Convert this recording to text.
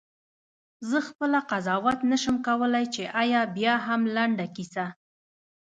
زه خپله قضاوت نه شم کولای چې آیا بیاهم لنډه کیسه.